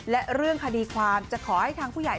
และเรื่องคดีความจะขอให้ทางผู้ใหญ่